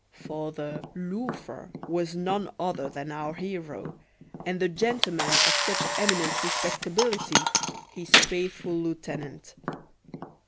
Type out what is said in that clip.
For the "loafer" was none other than our hero, and the gentleman of such eminent respectability his faithful lieutenant.